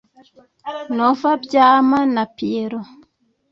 Nova Byama na Pierrot